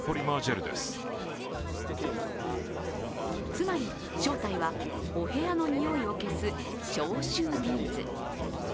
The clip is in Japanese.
つまり正体はお部屋のにおいを消す消臭ビーズ。